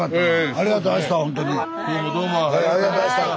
ありがとうございましたほんとに。